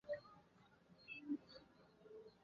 光果黄细心为紫茉莉科黄细心属下的一个种。